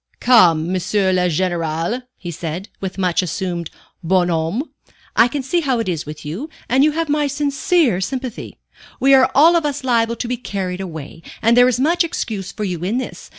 "Come, M. le Général," he said, with much assumed bonhomie. "I can see how it is with you, and you have my sincere sympathy. We are all of us liable to be carried away, and there is much excuse for you in this.